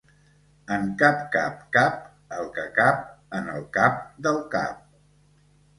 En cap cap cap el que cap en el cap del cap.